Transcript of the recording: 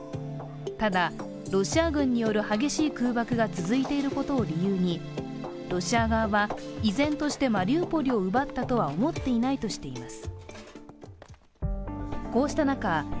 ただ、ロシア軍による激しい空爆が続いていることを理由にロシア側は、依然としてマリウポリを奪ったとは思っていないとしています。